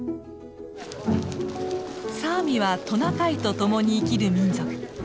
サーミはトナカイとともに生きる民族。